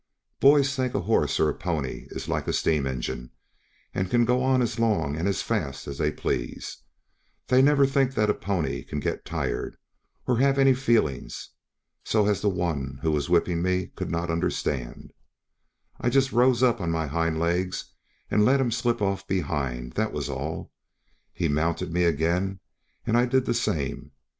Boys think a horse or pony is like a steam engine, and can go as long and as fast as they please; they never think that a pony can get tired, or have any feelings; so as the one who was whipping me could not understand, I just rose up on my hind legs and let him slip off behind that was all; he mounted me again, and I did the same.